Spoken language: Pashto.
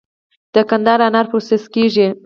د قندهار انار پروسس کیږي؟